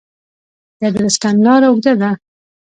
د ادرسکن لاره اوږده ده